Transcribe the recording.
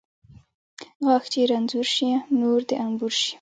غاښ چې رنځور شي، نور د انبور شي.